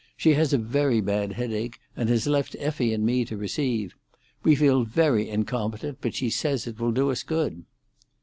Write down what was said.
She has a very bad headache, and has left Effie and me to receive. We feel very incompetent, but she says it will do us good."